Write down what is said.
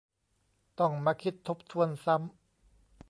ต้องมาคิดทบทวนซ้ำ